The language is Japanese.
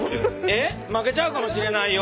えっ負けちゃうかもしれないよ。